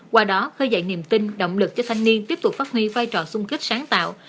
qua đó khơi dậy niềm tin động lực cho thanh niên tiếp tục phát huy vai trò sung kích sáng tạo